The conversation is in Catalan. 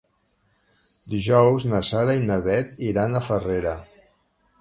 Dijous na Sara i na Bet iran a Farrera.